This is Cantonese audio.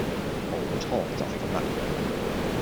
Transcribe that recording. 冇錯，就係咁啦